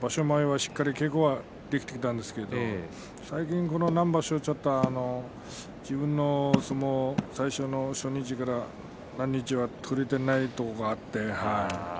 場所前は、しっかり稽古はできていたんですけれど最近、何場所かは自分の相撲初日から何日間かは取れていないところがあって。